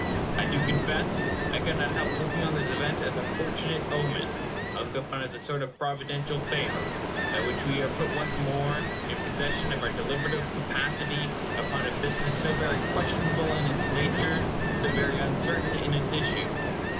I do confess I could not help looking on this event as a fortunate omen. I look upon it as a sort of providential favor, by which we are put once more in possession of our deliberative capacity upon a business so very questionable in its nature, so very uncertain in its issue.